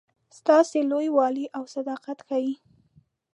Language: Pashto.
ستاسي لوی والی او صداقت ښيي.